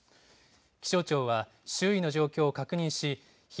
気象庁は周囲の状況を確認し、避